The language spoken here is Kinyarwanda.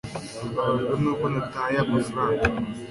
Mbabajwe nuko nataye amafaranga